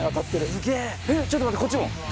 すげええっちょっと待ってこっちも！